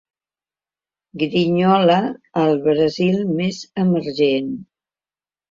Grinyola al Brasil més emergent.